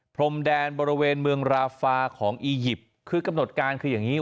พรมแดนบริเวณเมืองราฟาของอียิปต์คือกำหนดการคืออย่างนี้